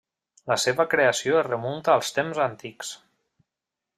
La seva creació es remunta als temps antics.